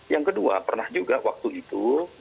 yang kedua pernah juga waktu itu